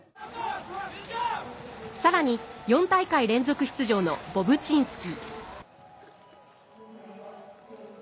さらに４大会連続出場のボブチンスキー。